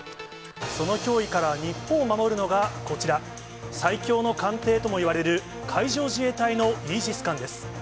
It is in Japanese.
その脅威から日本を守るのが、こちら、最強の艦艇ともいわれる、海上自衛隊のイージス艦です。